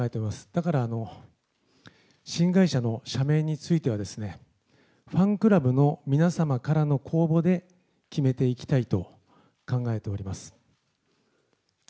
だから、新会社の社名についてはですね、ファンクラブの皆様からの公募で決めていきたいと考えております。